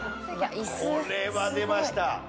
これは出ました。